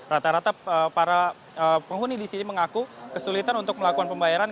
rata rata para penghuni di sini mengaku kesulitan untuk melakukan pembayaran